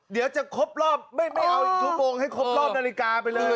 เดี๋ยวจะครบรอบไม่เอาอีกชั่วโมงให้ครบรอบนาฬิกาไปเลย